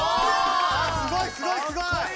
あすごいすごいすごい！